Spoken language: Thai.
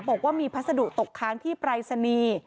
บอกว่ามีพัสดุตกค้างที่ปรายศนีย์